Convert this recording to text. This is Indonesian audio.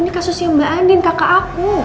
ini kasusnya mbak andin kakak aku